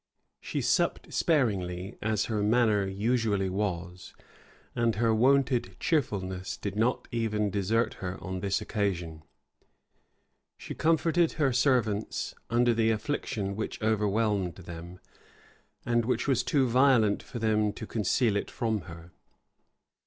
[*] She supped sparingly, as her manner usually was; and her wonted cheerfulness did not even desert her on this occasion. She comforted her servants under the affliction which overwhelmed them, and which was too violent for them to conceal it from her.